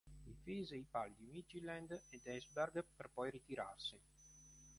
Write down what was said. Difese i pali di Midtjylland ed Esbjerg, per poi ritirarsi.